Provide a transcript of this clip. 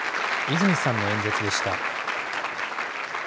泉さんの演説でした。